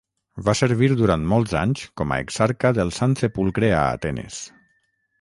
Va servir durant molts anys com a exarca del Sant Sepulcre a Atenes.